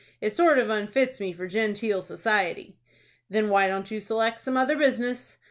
It sort of unfits me for genteel society." "Then why don't you select some other business?"